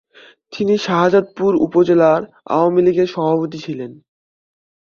তিনি শাহজাদপুর উপজেলা আওয়ামীলীগের সভাপতি ছিলেন।